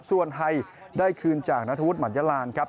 ส่วนไทยได้คืนจากนัทธวุฒิหมัดยาลานครับ